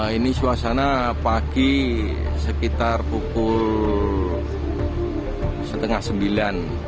ini suasana pagi sekitar pukul setengah sembilan